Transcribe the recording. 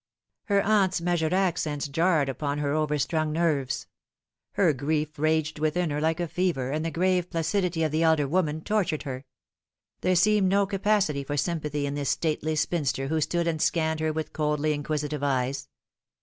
Her aunt's measured accents jarred upon her overstrung nerves. Her grief raged within her like a fever, and the grave placidity of the elder woman tortured her. There seemed no capacity for sympathy in this stately spinster who stood and scanned her with coldly inquisitive eyes.